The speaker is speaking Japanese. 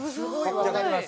わかります。